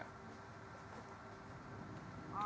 bapak lakukan apa terhadap mereka